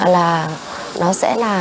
là nó sẽ là